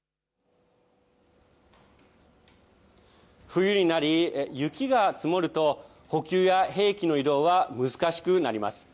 冬になり、雪が積もると、補給や兵器の移動は難しくなります。